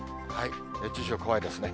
熱中症怖いですね。